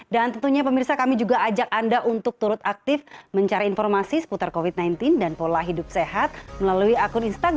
dan tentunya pemirsa kami juga ajak anda untuk berkongsi